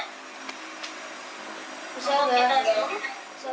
ada yang ditanyakan nak